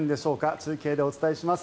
中継でお伝えします。